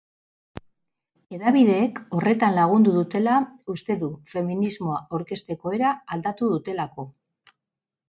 Hedabideek horretan lagundu dutela uste du, feminismoa aurkezteko era aldatu dutelako.